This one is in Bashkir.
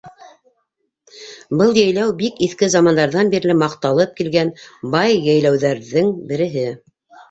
Был йәйләү бик иҫке замандарҙан бирле маҡталып килгән бай йәйләүҙәрҙең береһе.